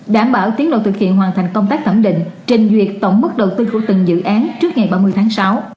đảm bảo tiến độ thực hiện hoàn thành công tác thẩm định trình duyệt tổng mức đầu tư của từng dự án trước ngày ba mươi tháng sáu